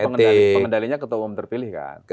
dan itu pengendalinya ketua umum terpilih kan